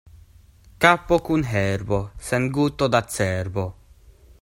Kapo kun herbo, sen guto da cerbo.